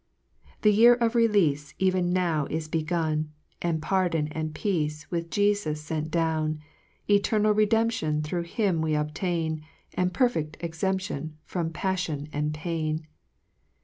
2 The year of releafe Even now is begun, And pardon, and peace, With Jefus lent down : Eternal redemption Thro' him we obtain, And prefent exemption, From paffion and pain.